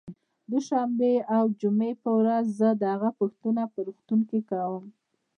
دوشنبې او جمعې په ورځ زه د هغه پوښتنه په روغتون کې کوم